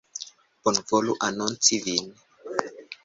Bonvolu anonci vin.